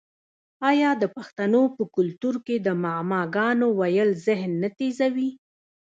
آیا د پښتنو په کلتور کې د معما ګانو ویل ذهن نه تیزوي؟